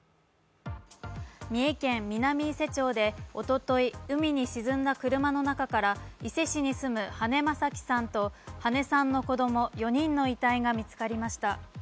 三重県南伊勢町でおととい、海に沈んだ車の中から伊勢市に住む羽根正樹さんと羽根さんの子供４人の遺体が見つかりました。